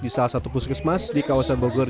di salah satu puskesmas di kawasan bogor